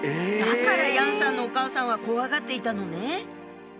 だから楊さんのお母さんは怖がっていたのね。